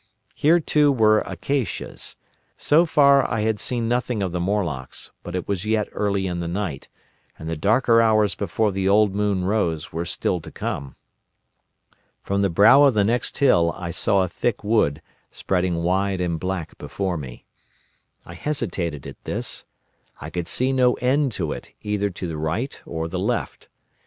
Here too were acacias. So far I had seen nothing of the Morlocks, but it was yet early in the night, and the darker hours before the old moon rose were still to come. "From the brow of the next hill I saw a thick wood spreading wide and black before me. I hesitated at this. I could see no end to it, either to the right or the left.